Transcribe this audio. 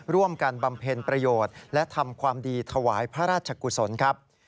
บำเพ็ญประโยชน์และทำความดีถวายพระราชกุศลครับ